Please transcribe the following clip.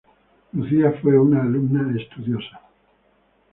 Lucía fue una alumna estudiosa.